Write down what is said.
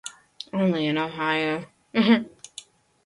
Viņi tur tādi diezgan bohēmiski izskatās.